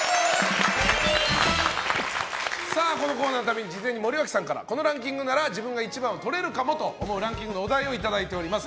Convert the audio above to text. このコーナーのために事前に森脇さんからこのランキングなら自分が一番を取れるかもと思うランキングのお題をいただいております。